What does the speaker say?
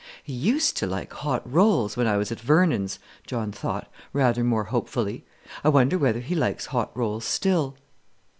"He used to like hot rolls when I was at Vernon's," John thought, rather more hopefully; "I wonder whether he likes hot rolls still?"